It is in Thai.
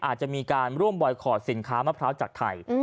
อาจจะมีการร่วมบอยคอร์ดสินค้ามะพร้าวจากไทย